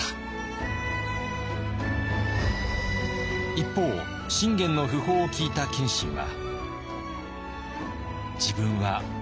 一方信玄の訃報を聞いた謙信は。